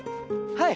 はい。